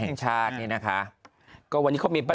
เออฉันอยากให้คุณให้มา